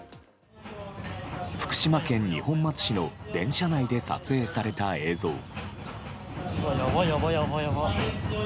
福島県二本松市の電車内で撮影された映像。